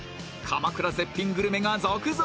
鎌倉絶品グルメが続々！